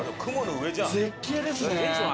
絶景ですね！